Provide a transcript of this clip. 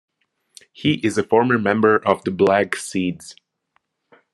He is a former member of The Black Seeds.